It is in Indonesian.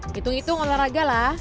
hitung hitung olahraga lah